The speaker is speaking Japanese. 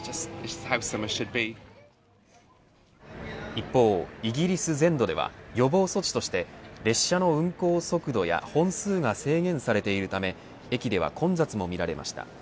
一方、イギリス全土では予防措置として列車の運行速度や本数が制限されているため駅では混雑も見られました。